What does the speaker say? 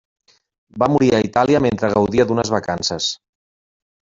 Va morir a Itàlia mentre gaudia d'unes vacances.